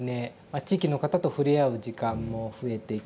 地域の方と触れ合う時間も増えていきました